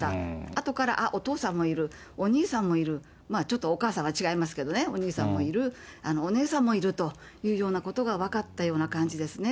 あとから、あっ、お父さんもいる、お兄さんもいる、ちょっとお母さんは違いますけどね、お兄さんもいる、お姉さんもいるというようなことが分かったような感じですね。